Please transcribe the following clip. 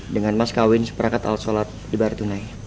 dengan mas kawin seperangkat al solat di bartunai